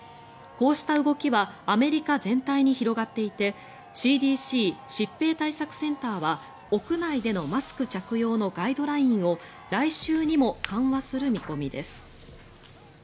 こうした動きはアメリカ全体に広がっていてＣＤＣ・疾病対策センターは屋内でのマスク着用のガイドラインを来週にも緩和する見込みです。